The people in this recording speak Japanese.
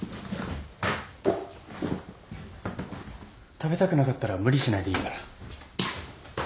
食べたくなかったら無理しないでいいから。